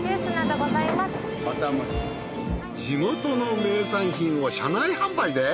地元の名産品を車内販売で！？